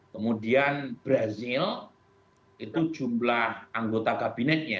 kemudian brazil itu jumlah anggota kabinetnya